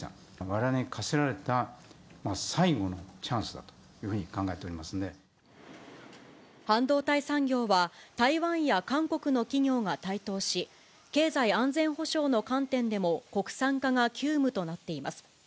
われわれに課せられた最後のチャンスだというふうに考えておりま半導体産業は、台湾や韓国の企業が台頭し、経済安全保障の観点でも国産化が急務となっています。